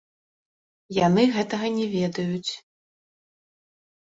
Яны гэтага не ведаюць.